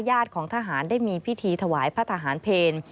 ของทหารได้มีพิธีถวายพระทหารเพล